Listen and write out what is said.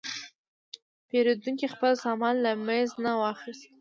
پیرودونکی خپل سامان له میز نه واخیست.